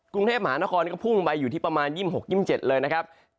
กรุงเทพมหานครก็พุ่งไปอยู่ที่ประมาณ๒๖๒๗เลยนะครับ